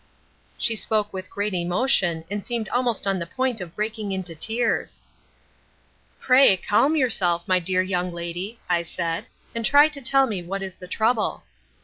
"She spoke with great emotion, and seemed almost on the point of breaking into tears. "'Pray, calm yourself, my dear young lady,' I said, 'and try to tell me what is the trouble.'